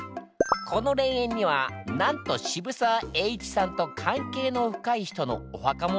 この霊園にはなんと渋沢栄一さんと関係の深い人のお墓もあるんだにゃ。